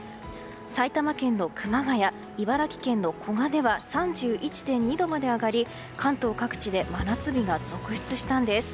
埼玉県の熊谷、茨城の古河では３１．２度まで上がり関東各地で真夏日が続出したんです。